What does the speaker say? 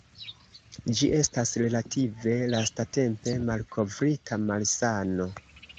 Ĝi estas relative lastatempe malkovrita malsano.